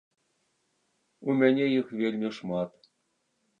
У мяне іх вельмі шмат!